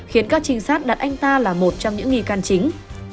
khiến các trinh sát đặt anh ta là một trong những nghi can chính